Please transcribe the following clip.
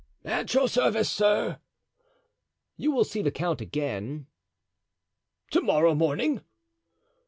"At your service, sir." "You will see the count again?" "To morrow morning."